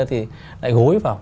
thì lại gối vào